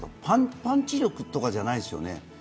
パンチ力とかじゃないですよね。